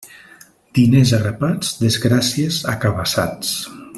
Diners a grapats, desgràcies a cabassats.